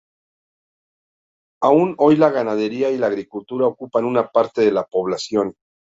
Aún hoy la ganadería y la agricultura ocupan una parte de la población.